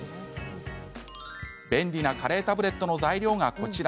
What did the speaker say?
便利なカレータブレットの材料がこちら。